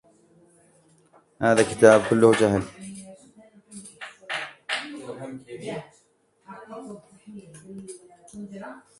هذا كتاب كله جهل